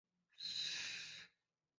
Fue reemplazada por "Anales Mus.